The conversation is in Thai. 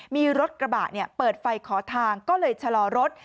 มีรถกระบะเปิดไฟขอทางก็เลยชะลอรถ